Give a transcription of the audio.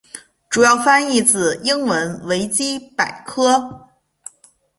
主要翻译自英文维基百科。